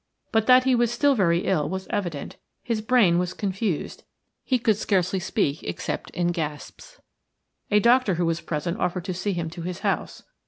But that he was still very ill was evident; his brain was confused; he could scarcely speak except in gasps. A doctor who was present offered to see him to his house.